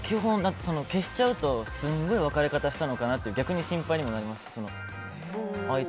消しちゃうとすごい別れ方したのかなって逆に心配になりますし。